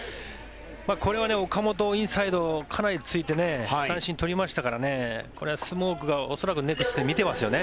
これを岡本、インサイドかなり突いて三振を取りましたからこれはスモークが恐らくネクストで見ていますよね。